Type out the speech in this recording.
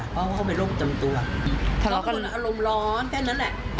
เพราะเขาเข้าไปร่วมจำตัวก็เป็นคนอารมณ์ร้อนแค่นั้นแหละ